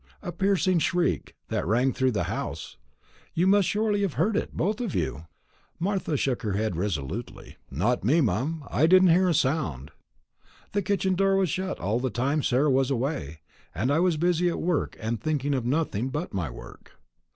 A piercing shriek that rang through the house; you must surely have heard it, both of you." Martha shook her head resolutely. "Not me, mum; I didn't hear a sound. The kitchen door was shut all the time Sarah was away, and I was busy at work, and thinking of nothing but my work.